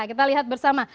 kita lihat bersama